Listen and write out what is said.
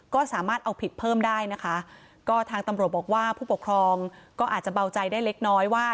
ก็สามารถเอาผิดเพิ่มได้นะคะก็ทางตำรวจบอกว่าผู้ปกครองก็อาจจะเบาใจได้เล็กน้อยว่า